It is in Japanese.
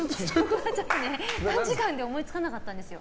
短時間で思いつかなかったんですよ。